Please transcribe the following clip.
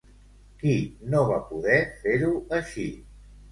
Qui no va poder fer-ho així?